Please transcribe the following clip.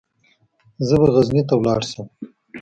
زه به غزني ته ولاړ شم.